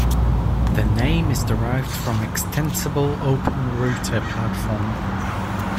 The name is derived from "eXtensible Open Router Platform".